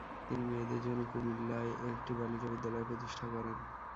তিনি মেয়েদের জন্য কুমিল্লায় একটি বালিকা বিদ্যালয় প্রতিষ্ঠা করেন।